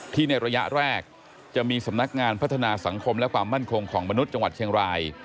ในระยะแรกจะมีสำนักงานพัฒนาสังคมและความมั่นคงของมนุษย์จังหวัดเชียงราย